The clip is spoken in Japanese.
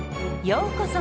ようこそ！